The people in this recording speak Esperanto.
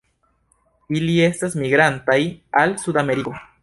Ili estas migrantaj al Sudameriko.